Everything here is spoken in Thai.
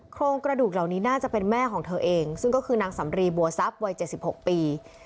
โครงกระดูกเหล่านี้น่าจะเป็นแม่ของเธอเองซึ่งก็คือนางสำรีบัวทรัพย์วัย๗๖ปี